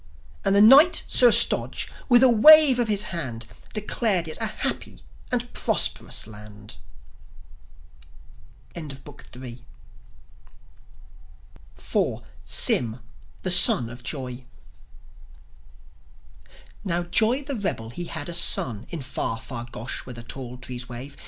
And the Knight, Sir Stodge, with a wave of his hand, Declared it a happy and prosperous land. IV. SYM, THE SON OF JOI Now Joi, the rebel, he had a son In far, far Gosh where the tall trees wave.